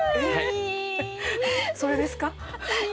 それですか？